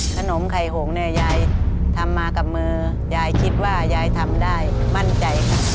ขนมไข่หงเนี่ยยายทำมากับมือยายคิดว่ายายทำได้มั่นใจค่ะ